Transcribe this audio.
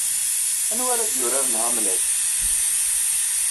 Anwa ara d-yuraren Hamlet?